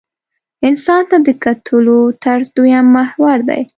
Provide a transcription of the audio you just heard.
انسان ته د کتلو طرز دویم محور دی.